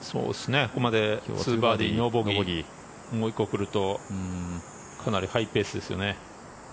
ここまで２バーディーノーボギーもう１個来るとかなりハイペースですよね。